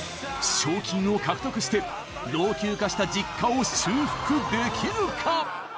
賞金を獲得して老朽化した実家を修復できるか？